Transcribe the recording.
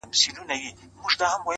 پوهه د انسان افق پراخوي’